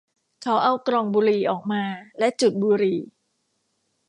เขาเอากล่องบุหรี่ออกมาและจุดบุหรี่